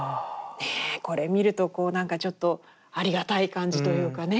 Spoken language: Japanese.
これ見るとこうなんかちょっとありがたい感じというかね。